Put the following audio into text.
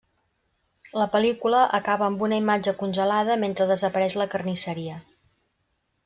La pel·lícula acaba amb una imatge congelada mentre desapareix la carnisseria.